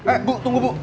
eh bu tunggu bu